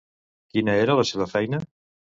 Quina era la seva feina?